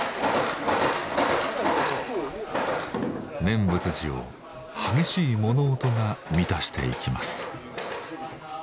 念仏寺を激しい物音が満たしていきます。